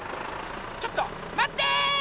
ちょっとまって！